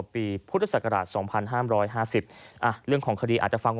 ปีพุทธศักราชสองพันห้ามร้อยห้าสิบอ่ะเรื่องของคดีอาจจะฟัง